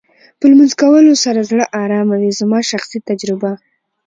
په لمونځ کولو سره زړه ارامه وې زما شخصي تجربه.